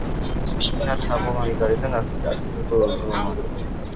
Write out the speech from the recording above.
შიგნიდან თაღოვანი, გარედან არქიტრავული.